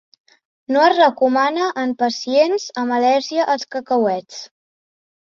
No es recomana en pacients amb al·lèrgia als cacauets.